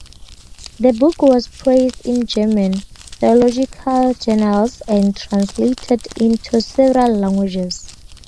The book was praised in German theological journals and translated into several languages.